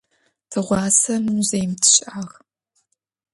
Тыгъуасэ музеим тыщыӏагъ.